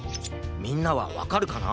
みんなはわかるかな？